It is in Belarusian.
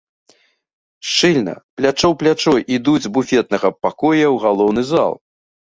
Шчыльна, плячо ў плячо, ідуць з буфетнага пакоя ў галоўны зал.